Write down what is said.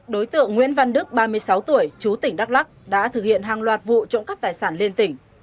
đối tượng nguyễn văn đức ba mươi sáu tuổi chú tỉnh đắk lắc đã thực hiện hàng loạt vụ trộm cắp tài sản liên tỉnh